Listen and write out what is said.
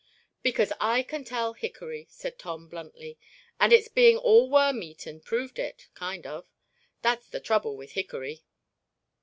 "Because I can tell hickory," said Tom, bluntly, "and it's being all worm eaten proved it—kind of. That's the trouble with hickory."